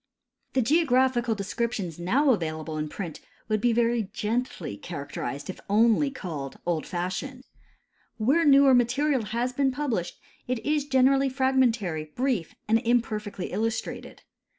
The geographical descriptions now accessible in j)rint Avould be very gently characterized if only called "old fashioned." Where newer material has been pub lished, it is generally fragmentary, brief, and imperfectly illus trated.